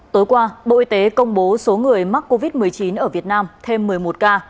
tối qua bộ y tế công bố số người mắc covid một mươi chín ở việt nam thêm một mươi một ca